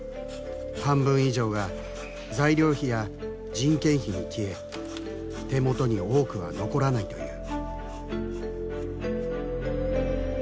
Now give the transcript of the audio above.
半分以上が材料費や人件費に消え手元に多くは残らないという。